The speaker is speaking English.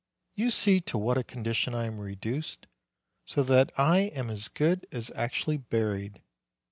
You see to what a condition I am reduced, so that I am as good as actually buried.